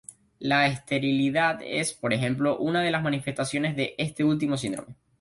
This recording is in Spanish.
La esterilidad es, por ejemplo, una de las manifestaciones de este último síndrome.